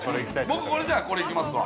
◆僕これ、じゃあこれいきますわ。